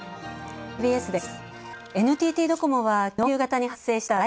「ＷＢＳ」です。